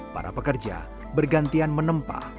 para pekerja bergantian menempa